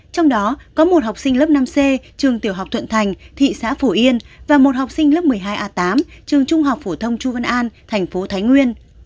trong đó có một học sinh lớp năm c trường tiểu học thuận thành thị xã phổ yên và một học sinh lớp một mươi hai a tám trường trung học phổ thông chu văn an thành phố thái nguyên